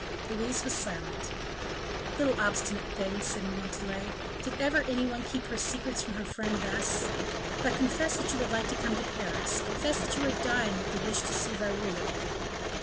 Louise was silent. "Little obstinate thing!" said Montalais; "did ever any one keep her secrets from her friend thus? But, confess that you would like to come to Paris; confess that you are dying with the wish to see Raoul again."